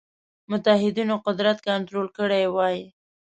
متحدینو قدرت کنټرول کړی وای.